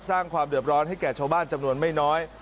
สร้างความเดือดร้อนให้แก่ชาวบ้านจำนวนไม่น้อย